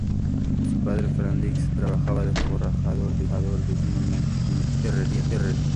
Su padre, Franz Dix, trabajaba de forjador de hierro en una herrería.